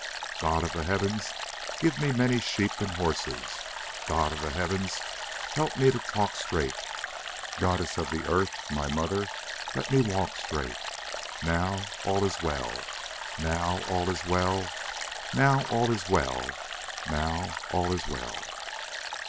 God of the Heavens, give me many sheep and horses. God of the Heavens, help me to talk straight. Goddess of the Earth, my Mother, let me walk straight. Now all is well, now all is well, now all is well, now all is well.